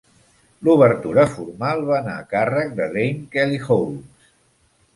L'obertura formal va anar a càrrec de Dame Kelly Holmes.